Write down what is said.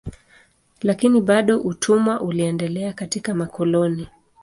Lakini bado utumwa uliendelea katika makoloni.